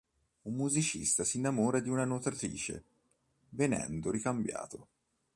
Un musicista si innamora di una nuotatrice, venendo ricambiato.